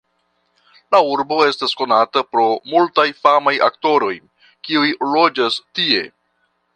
La urbo estas konata pro multaj famaj aktoroj, kiuj loĝas tie.